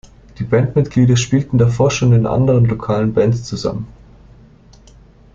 Die Bandmitglieder spielten davor schon in anderen lokalen Bands zusammen.